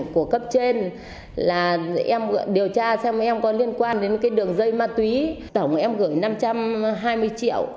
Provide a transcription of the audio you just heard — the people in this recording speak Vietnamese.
của cấp trên là em gọi điều tra xem em có liên quan đến cái đường dây ma túy tổng em gửi năm trăm hai mươi triệu